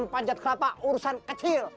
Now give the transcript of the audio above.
panjat kelapa urusan kecil